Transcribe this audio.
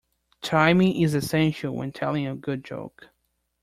Timing is essential when telling a good joke.